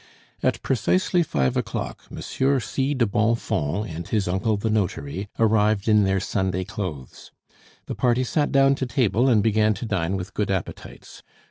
At precisely five o'clock Monsieur C. de Bonfons and his uncle the notary arrived in their Sunday clothes. The party sat down to table and began to dine with good appetites.